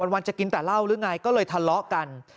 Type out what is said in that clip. วันจะกินแต่เหล้าหรือไงก็เลยทะเลาะกัน